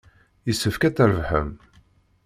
Yessefk ad trebḥem.